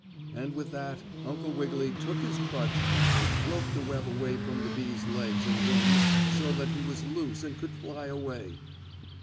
And with that Uncle Wiggily took his crutch, and broke the web away from the bee's legs and wings so that he was loose and could fly away.